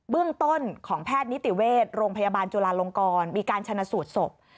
เรื่องต้นของแพทย์นิติเวชโรงพยาบาลจุลาลงกรมีการชนะสูตรศพ